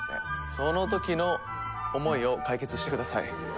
その時の思いを解決してください。